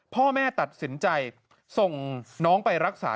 พ่อแม่ตัดสินใจส่งน้องไปรักษา